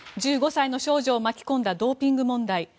１５歳の少女を巻き込んだドーピング問題。